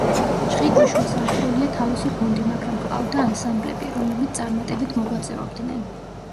ჩხიკვიშვილს არ ჰყოლია თავისი გუნდი, მაგრამ ჰყავდა ანსამბლები, რომლებიც წარმატებით მოღვაწეობდნენ.